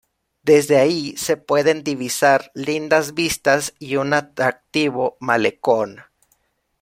Desde allí se pueden divisar lindas vistas y un atractivo Malecón.